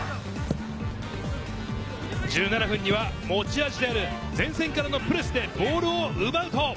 １７分には持ち味である前線からのプレスでボールを奪うと。